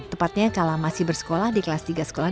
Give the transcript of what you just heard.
tepatnya kalau masih bersekolah di kelas tiga sekolah